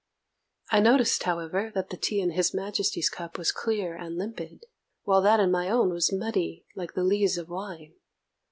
I noticed, however, that the tea in His Majesty's cup was clear and limpid, while that in my own was muddy, like the lees of wine.